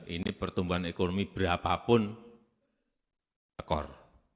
ini pertumbuhan ekonomi berapapun ekor